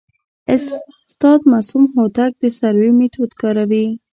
استاد معصوم هوتک د سروې میتود کاروي.